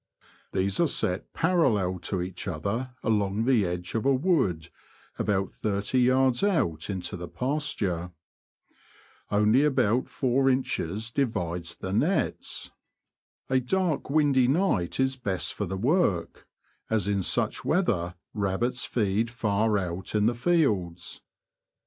These are set parallel to each other along the edge of a wood, about thirty 130 The Confessions of a T^oacher, yards out into the pasture. Only about four inches divides the nets. A dark windy night is best for the work, as in such weather rabbits feed far out in the fields.